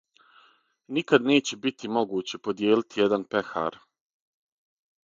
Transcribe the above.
Никад неће бити могуће подијелити један пехар.